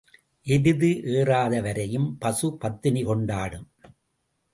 எருது ஏறாதவரையும் பசு பத்தினி கொண்டாடும்.